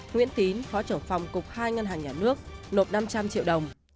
nguyễn tín phó trưởng phòng cục hai ngân hàng nhà nước nộp năm trăm linh triệu đồng